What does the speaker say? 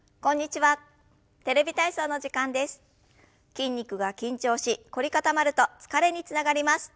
筋肉が緊張し凝り固まると疲れにつながります。